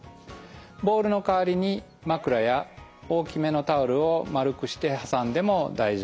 ボールの代わりに枕や大きめのタオルを丸くしてはさんでも大丈夫です。